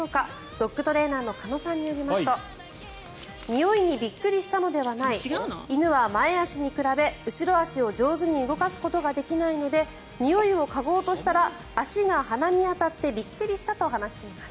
ドッグトレーナーの鹿野さんによりますとにおいにびっくりしたのではない犬は前足に比べ、後ろ足を上手に動かすことができないのでにおいをかごうとしたら足が鼻に当たってびっくりしたと話しています。